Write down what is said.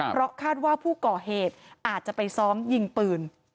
เพราะคาดว่าผู้ก่อเหตุอาจจะไปซ้อมยิงปืน